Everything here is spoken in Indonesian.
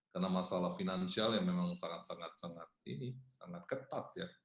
karena masalah finansial yang memang sangat sangat ini sangat ketat ya